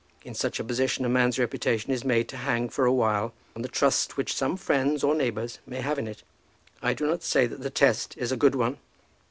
In such a position a man's reputation is made to hang for awhile on the trust which some friends or neighbours may have in it. I do not say that the test is a good one."